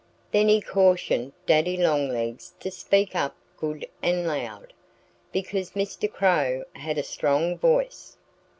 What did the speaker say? Then he cautioned Daddy Longlegs to speak up good and loud, because Mr. Crow had a strong voice.